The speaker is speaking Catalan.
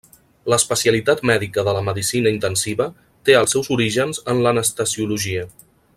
L'especialitat mèdica de la medicina intensiva té els seus orígens en l'anestesiologia.